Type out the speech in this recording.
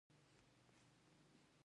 نو د کيپات نوم ضرور ورسره يادېږي.